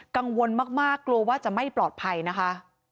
กังวลมากกลัวว่าจะไม่ปลอดภัยนะคะ